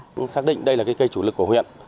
chúng tôi xác định đây là cây chủ lực của huyện